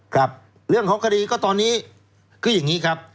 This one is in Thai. ครับเรื่องของคดีก็ตอนนี้คืออย่างนี้ครับ